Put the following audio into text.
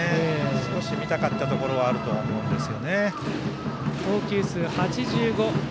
少し見たかったところはあると思います。